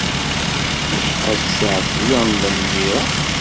Acḥal tasaɛet deg London imir-a?